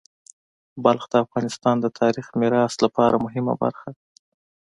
بلخ د افغانستان د تاریخی میراث لپاره مهمه برخه ده.